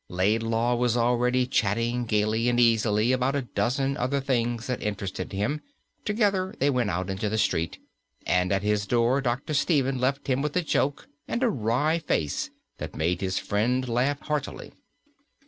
Laidlaw was already chatting gaily and easily about a dozen other things that interested him. Together they went out into the street, and at his door Dr. Stephen left him with a joke and a wry face that made his friend laugh heartily.